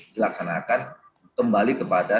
dilaksanakan kembali kepada